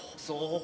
そう。